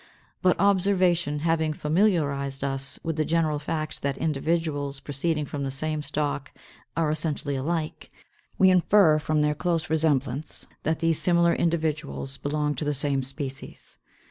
But observation having familiarized us with the general fact that individuals proceeding from the same stock are essentially alike, we infer from their close resemblance that these similar individuals belong to the same species.